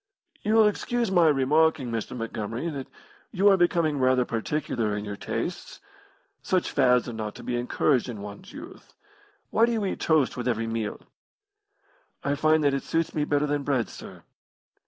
"You will excuse my remarking, Mr. Montgomery, that you are becoming rather particular in your tastes. Such fads are not to be encouraged in one's youth. Why do you eat toast with every meal?" "I find that it suits me better than bread, sir."